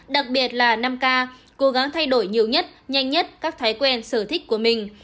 đặc biệt là năm k cố gắng thay đổi nhiều nhất nhanh nhất các thói quen sở thích của mình